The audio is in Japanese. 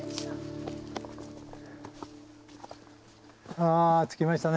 あ着きましたね。